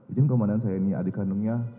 izin ke mandan saya ini adik kandungnya